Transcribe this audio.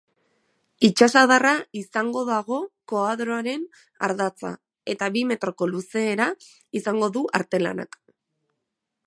Itsasadarra izango dago koadroaren ardatza, eta bi metroko luzera izango du artelanak.